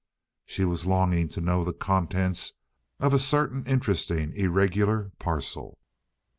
She was longing to know the contents of a certain interesting irregular parcel.